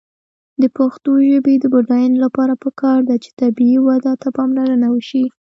د پښتو ژبې د بډاینې لپاره پکار ده چې طبیعي وده ته پاملرنه وشي.